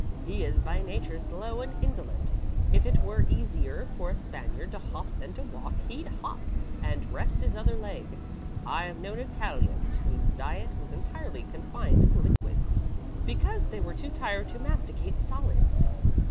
He is by nature slow and indolent. If it were easier for a Spaniard to hop than to walk, he'd hop, and rest his other leg. I've known Italians whose diet was entirely confined to liquids, because they were too tired to masticate solids.